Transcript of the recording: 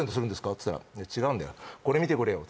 っつったら「違うんだよ」「これ見てくれよ」